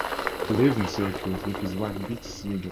He lives in Syracuse with his wife Bette Siegel.